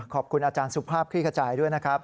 ขอบคุณอาจารย์สุภาพคลี่ขจายด้วยนะครับ